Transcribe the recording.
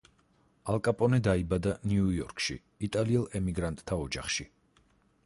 ალ კაპონე დაიბადა ნიუ იორკში იტალიელ ემიგრანტთა ოჯახში.